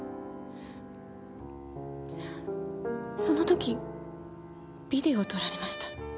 その時ビデオを撮られました。